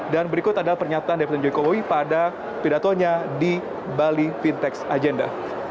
dan berikut adalah pernyataan deputat jokowi pada pidatonya di bali fintechs agenda